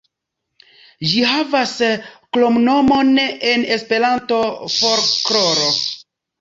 Ĝi havas kromnomon en Esperanto: "Folkloro".